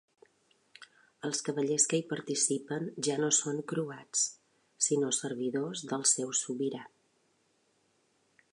Els cavallers que hi participen ja no són croats sinó servidors del seu sobirà.